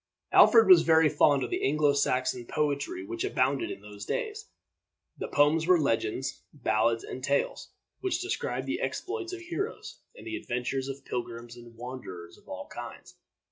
Alfred was very fond of the Anglo Saxon poetry which abounded in those days. The poems were legends, ballads, and tales, which described the exploits of heroes, and the adventures of pilgrims and wanderers of all kinds.